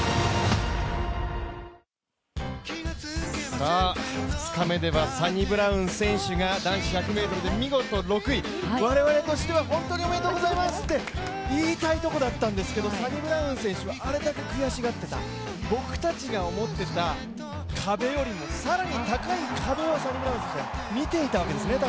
さあ、２日目ではサニブラウン選手が１００ｍ決勝で見事６位、我々としては本当におめでとうございますと言いたいところだったんですがサニブラウン選手はあれだけ悔しがってた、僕たちが思ってた壁よりも更に高い壁をサニブラウン選手は見ていたわけですね。